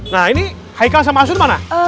nah ini haikal sama asun mana